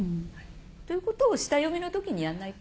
ということを下読みの時にやんないと。